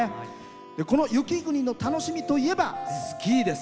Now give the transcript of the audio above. この雪国の楽しみといえばスキーです。